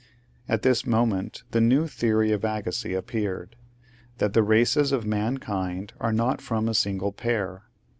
At this moment the new theory of Agassiz appeared — that the races of mankind are not from a single pair.